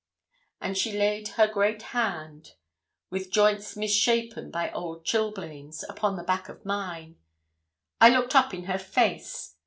And she laid her great hand, with joints misshapen by old chilblains, upon the back of mine. I looked up in her face.